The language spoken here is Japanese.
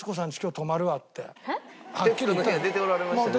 『徹子の部屋』出ておられましたよね？